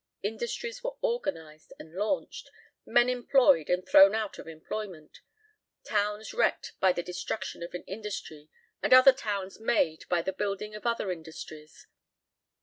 Industries were organised and launched, men employed and thrown out of employment, towns wrecked by the destruction of an industry and other towns made by the building of other industries.